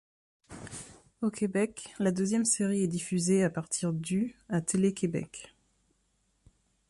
Au Québec, la deuxième série est diffusée à partir du à Télé-Québec.